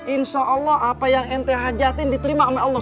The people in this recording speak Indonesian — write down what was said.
insyaallah apa yang ente hajatin diterima oleh allah